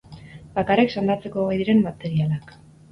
Bakarrik sendatzeko gai diren materialak.